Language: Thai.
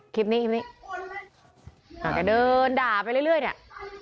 คลิปนี้เขาเดินด่าไปเรื่อยเนี่ย